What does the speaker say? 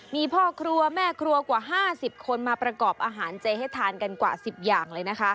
มีพ่อครัวแม่ครัวกว่า๕๐คนมาประกอบอาหารเจให้ทานกันกว่า๑๐อย่างเลยนะคะ